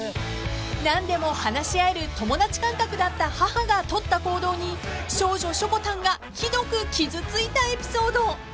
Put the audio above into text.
［何でも話し合える友達感覚だった母が取った行動に少女しょこたんがひどく傷ついたエピソード］